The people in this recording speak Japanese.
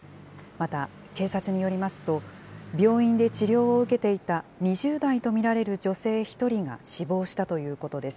また、警察によりますと、病院で治療を受けていた２０代と見られる女性１人が死亡したということです。